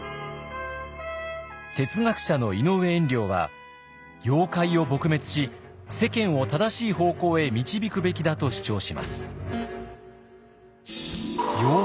哲学者の井上円了は妖怪を撲滅し世間を正しい方向へ導くべきだと主張します。